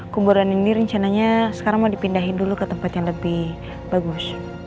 kuburan ini rencananya sekarang mau dipindahin dulu ke tempat yang lebih bagus